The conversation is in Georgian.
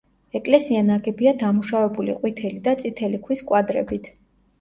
ეკლესია ნაგებია დამუშავებული ყვითელი და წითელი ქვის კვადრებით.